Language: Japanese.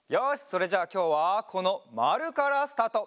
それじゃあきょうはこのまるからスタート！